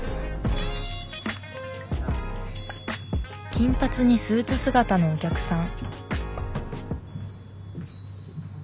金髪にスーツ姿のお客さん。